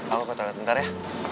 aku ke kotoran bentar ya